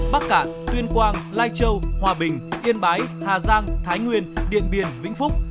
bắc cạn tuyên quang lai châu hòa bình yên bái hà giang thái nguyên điện biên vĩnh phúc